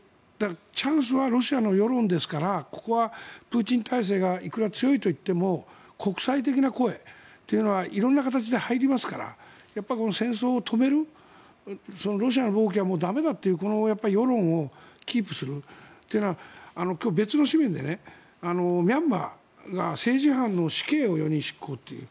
チャンスはロシアの世論ですからここはプーチン体制がいくら強いといっても国際的な声というのは色んな形で入りますからやっぱりこの戦争を止めるそのロシアの暴挙はもう駄目だっていう世論をキープするというのはというのは今日、別の紙面でミャンマーが政治犯の死刑を４人執行という。